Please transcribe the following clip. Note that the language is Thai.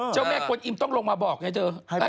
เจ้าแม่กวนอิมต้องลงมาบอกไงเธอ